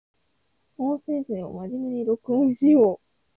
法政生は真面目に録音しよう